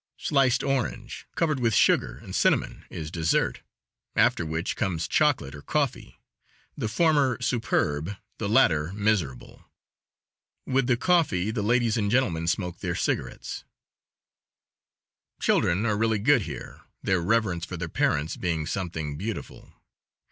Sliced orange, covered with sugar and cinnamon, is dessert, after which comes chocolate or coffee; the former superb, the latter miserable. With the coffee the ladies and gentlemen smoke their cigarettes. Children are really good here, their reverence for their parents being something beautiful.